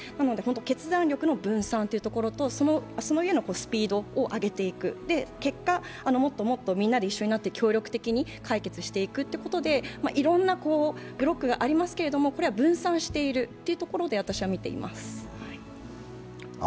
決断力の分散というところとそのうえのスピードを上げていく、結果、もっともっとみんなで一緒になって協力的に解決していくということでいろんなブロックがありますけれども、これは分散しているというところで私は見ています。